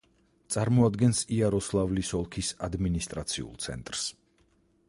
წარმოადგენს იაროსლავლის ოლქის ადმინისტრაციულ ცენტრს.